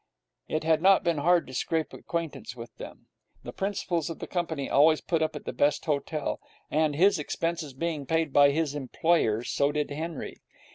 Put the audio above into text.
It had not been hard to scrape acquaintance with them. The principals of the company always put up at the best hotel, and his expenses being paid by his employer so did Henry.